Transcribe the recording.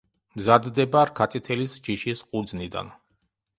მზადდება რქაწითელის ჯიშის ყურძნიდან.